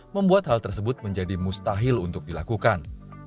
membuat hal tersebut menjadi mustahil untuk dilakukan